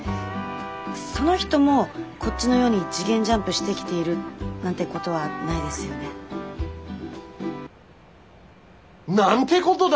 その人もこっちの世に次元ジャンプしてきているなんてことはないですよね？なんてことだ！